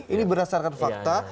ini berdasarkan fakta